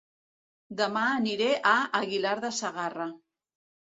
Dema aniré a Aguilar de Segarra